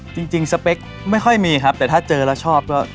สเปคไม่ค่อยมีครับแต่ถ้าเจอแล้วชอบก็